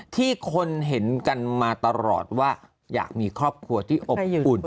ที่คนเห็นกันมาตลอดว่าอยากมีครอบครัวที่อบอุ่น